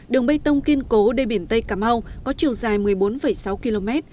đường bê tông kiên cố đê biển tây cà mau có chiều dài một mươi bốn sáu km